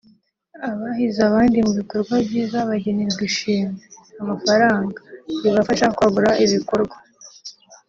abahize abandi mu bikorwa byiza bagenerwa ishimwe (amafaranga) ribafasha kwagura ibikorwa